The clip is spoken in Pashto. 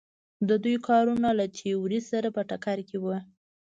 د دوی کارونه له تیورۍ سره په ټکر کې وو.